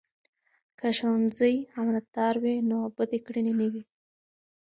که ښوونځي امانتدار وي، نو بدې کړنې نه وي.